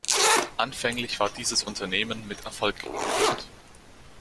Anfänglich war dieses Unternehmen mit Erfolg gekrönt.